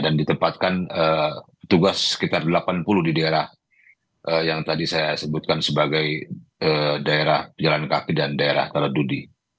dan ditempatkan tugas sekitar delapan puluh di daerah yang tadi saya sebutkan sebagai daerah penjalan kaki dan daerah tarah dudih